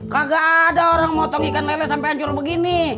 kagak ada orang motong ikan lele sampai hancur begini